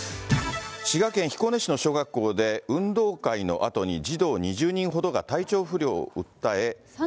滋賀県彦根市の小学校で、運動会のあとに児童２０人ほどが体調不良を訴え。